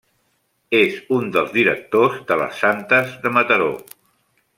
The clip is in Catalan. És un dels directors de les Santes de Mataró.